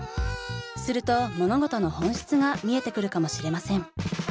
すると物事の本質が見えてくるかもしれません。